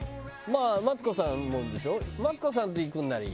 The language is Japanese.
まあマツコさんもでしょ？